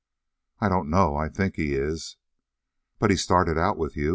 "I don't know. I think he is." "But he started out with you.